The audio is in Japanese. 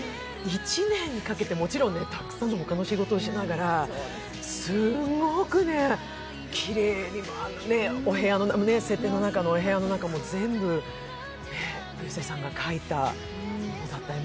１年かけて、もちろんたくさんの他の仕事をしながらすごくきれいに、設定の中のお部屋の中も全部、流星さんが描いた。